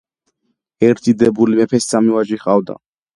ერთ დიდებული მეფეს სამი ვაჟი ჰყავდა.